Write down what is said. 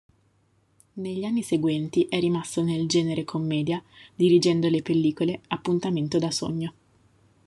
Negli anni seguenti è rimasto nel genere commedia dirigendo le pellicole "Appuntamento da sogno!